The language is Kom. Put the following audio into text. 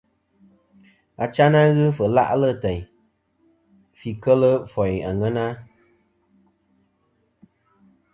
Achayn a ghɨ fɨ la'lɨ teyn fɨ kel foyn àŋena.